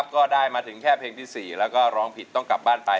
ก็ได้มาถึงแค่เพลงที่๔แล้วก็ร้องผิดต้องกลับบ้านไป